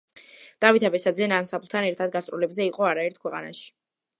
დავით აბესაძე ანსამბლთან ერთად გასტროლებზე იყო არაერთ ქვეყანაში.